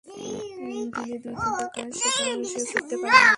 দিনে দুই-তিনটা কাজ, সেটাও সে করতে পারে না।